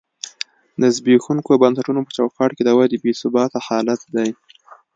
د زبېښونکو بنسټونو په چوکاټ کې د ودې بې ثباته حالت دی.